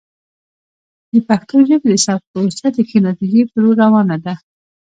د پښتو ژبې د ثبت پروسه د ښې نتیجې په لور روانه ده.